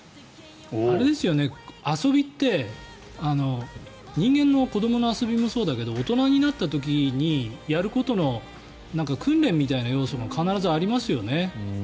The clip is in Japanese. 遊びって人間の子どもの遊びもそうだけど大人になった時にやることの訓練みたいな要素が必ずありますよね。